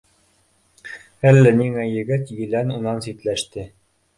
Әллә ниңә егет-елән унан ситләште